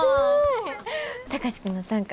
貴司君の短歌